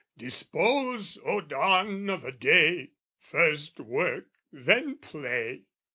Dispose, O Don, o' the day, first work then play!